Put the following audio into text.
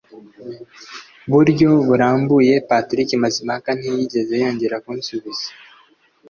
buryo burambye. Patrick Mazimpaka ntiyigeze yongera kunsubiza.